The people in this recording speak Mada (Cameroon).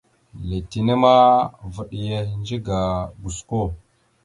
Letine ma, vaɗ ya ehədze ga gosko.